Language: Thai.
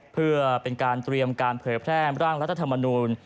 เพื่อเป็นการเตรียมการเผยแพร่ร่างรัฐธรรมนูล